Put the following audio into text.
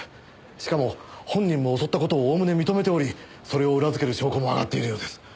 しかも本人も襲った事をおおむね認めておりそれを裏付ける証拠も挙がっているようです。